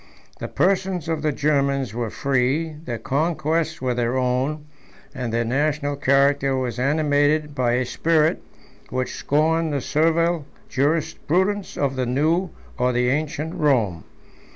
The persons of the Germans were free, their conquests were their own, and their national character was animated by a spirit which scorned the servile jurisprudence of the new or the ancient Rome.